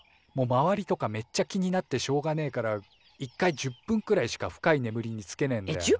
もう周りとかメッチャ気になってしょうがねえから１回１０分くらいしか深いねむりにつけねえんだよ。